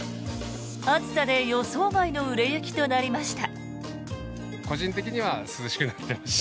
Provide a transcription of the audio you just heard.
暑さで予想外の売れ行きとなりました。